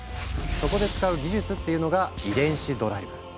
そこで使う技術っていうのが「遺伝子ドライブ」。